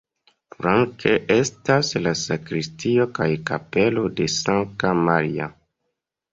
Flanke estas la sakristio kaj kapelo de Sankta Maria.